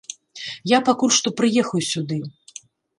Я пакуль што прыехаў сюды.